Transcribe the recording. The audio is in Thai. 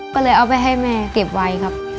ก็เลยเอาไปให้แม่เก็บไว้ครับ